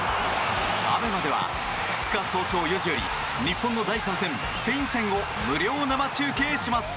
ＡＢＥＭＡでは２日、早朝４時より日本の第３戦スペイン戦を無料生中継します。